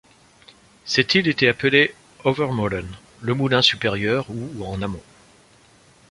Cette île était appelée Overmolen “le Moulin supérieur ou en amont”.